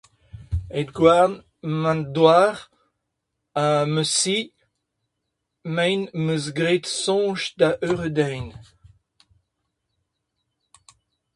Evit gouarn va douar ha va zi me 'm eus graet soñj da eurediñ.